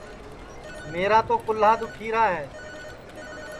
میرا تو کُہلا دُؔکھیرا ہے